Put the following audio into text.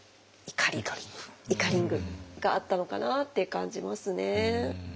イカリングがあったのかなって感じますね。